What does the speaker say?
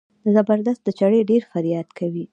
د زبردست د چړې ډېر فریاد کوي.